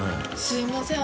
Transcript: すいません